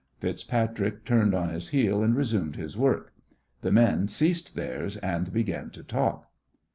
FitzPatrick turned on his heel and resumed his work. The men ceased theirs and began to talk.